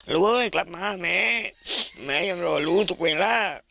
ลูกยังมาเนี่ยยังรอลูกถูกเวลา